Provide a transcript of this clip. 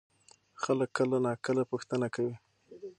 خلک کله ناکله پوښتنه کوي.